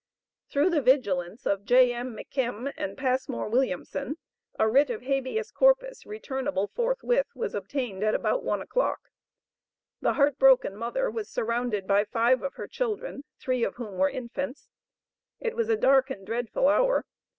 Through the vigilance of J.M. McKim and Passmore Williamson, a writ of habeas corpus returnable forthwith was obtained at about one o'clock. The heart broken mother was surrounded by five of her children, three of whom were infants. It was a dark and dreadful hour.